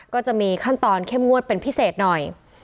ก็จะมีขั้นตอนเข้มงวดเป็นพิเศษหน่อย